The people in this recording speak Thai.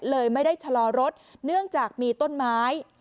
เลยไม่ได้ชะลอรถเนื่องจากมีต้นไม้